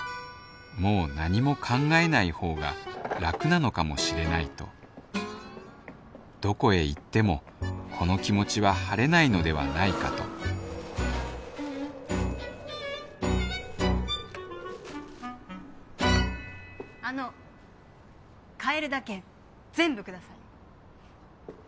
もう何も考えない方が楽なのかもしれないとどこへ行ってもこの気持ちは晴れないのではないかとあの買えるだけ全部ください。